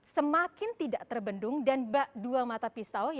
semakin tidak terbendung dan bak dua mata pisau